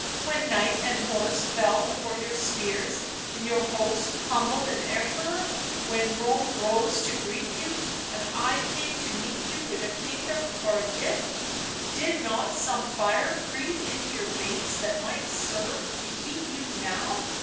When knight and horse fell before your spears and your host humbled an Emperor, when Rome rose to greet you and I came to meet you with a kingdom for a gift, did not some fire creep into your veins that might serve to heat you now?"